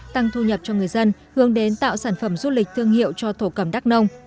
tăng thu nhập cho người dân hướng đến tạo sản phẩm du lịch thương hiệu cho thổ cẩm đắk nông